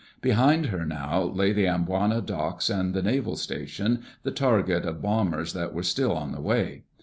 Behind her now lay the Amboina docks and naval station, the target of bombers that were still on the way.